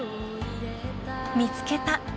［見つけた］